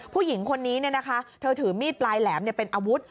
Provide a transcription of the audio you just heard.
ผู้หญิงคนนี้เธอถือมีดปลายแหลมเป็นอาวุธ